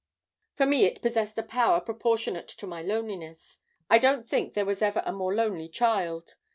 "For me it possessed a power proportionate to my loneliness. I don't think there was ever a more lonely child.